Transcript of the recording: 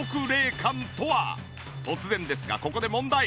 突然ですがここで問題。